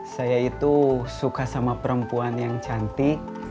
saya itu suka sama perempuan yang cantik